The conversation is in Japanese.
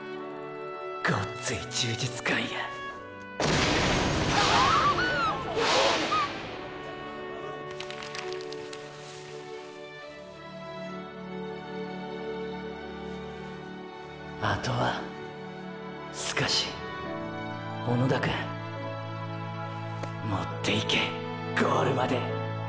ごっつい充実感やあとはーースカシ小野田くん持っていけゴールまで。